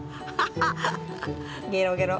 ゲロゲロ。